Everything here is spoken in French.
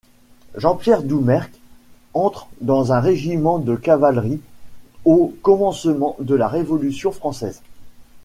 Jean-Pierre Doumerc entre dans un régiment de cavalerie au commencement de la Révolution française.